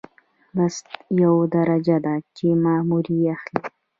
بست یوه درجه ده چې مامور یې اخلي.